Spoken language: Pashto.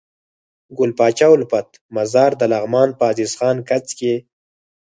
ګل پاچا الفت مزار دلغمان په عزيز خان کځ کي